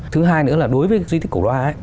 thứ hai nữa là đối với di tích cổ loa ấy